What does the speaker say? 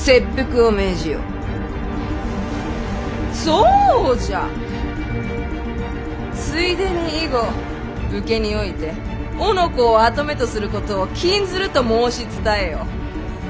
そうじゃついでに以後武家において男子を跡目とすることを禁ずると申し伝えよ！